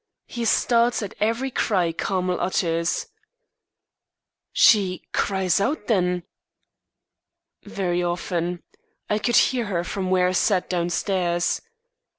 He starts at every cry Carmel utters." "She cries out then?" "Very often. I could hear her from where I sat downstairs."